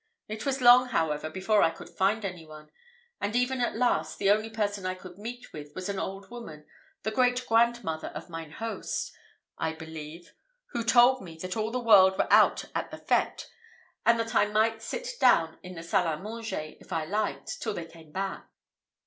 It was long, however, before I could find any one; and even at last, the only person I could meet with was an old woman, the great grandmother of mine host, I believe, who told me that all the world were out at the fête, and that I might sit down in the salle à manger if I liked, till they came back.